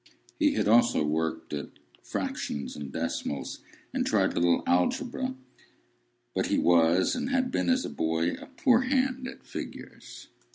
He had also worked at fractions and decimals, and tried a little algebra; but he was, and had been as a boy, a poor hand at figures.